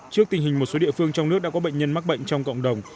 trước tình hình một số địa phương trong nước đã có bệnh nhân mắc bệnh trong cộng đồng